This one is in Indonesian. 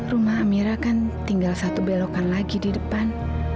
rumah amira kan tinggal satu belokan lagi di depan